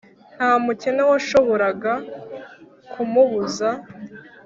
nta mukene washoboraga kumubuza